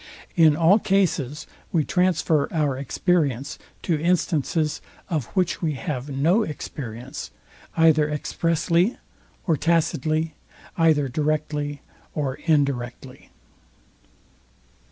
In all cases we transfer our experience to instances, of which we have no experience, either expressly or tacitly, either directly or indirectly.